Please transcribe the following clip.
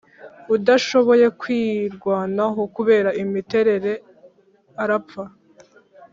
udashoboye kwirwanaho kubera imiterere arapfa